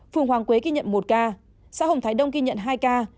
phường hoàng quế ghi nhận một ca xã hồng thái đông ghi nhận hai ca